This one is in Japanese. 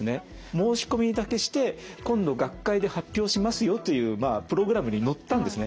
申し込みだけして今度学会で発表しますよというプログラムに載ったんですね。